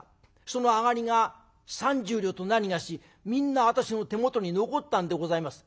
その上がりが３０両となにがしみんな私の手元に残ったんでございます。